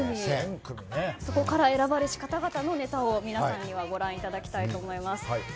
そこから選ばれし方々のネタを皆様にはご覧いただきたいと思います。